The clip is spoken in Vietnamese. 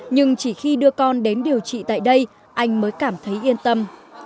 nhưng chỉ khi đưa con đến điều trị tại đây anh mới cảm thấy yên tâm